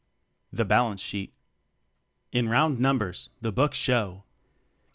The Balance Sheet. In round numbers the books show: $250,000,000.